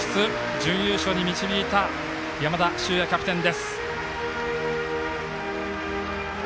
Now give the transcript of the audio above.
準優勝に導いた山田脩也キャプテン。